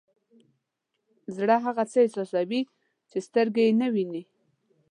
زړه هغه څه احساسوي چې سترګې یې نه ویني.